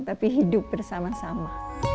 tapi hidup bersama sama